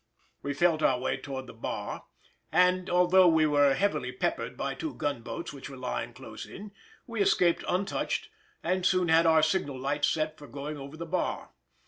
We felt our way towards the bar, and although we were heavily peppered by two gunboats which were lying close in, we escaped untouched and soon had our signal lights set for going over the bar.